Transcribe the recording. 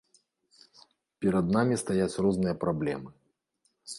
Перад намі стаяць розныя праблемы.